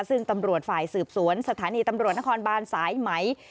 ซึ่งตำรวจฝ่ายสืบสวนสถานีตำรวจนครบานสายไหม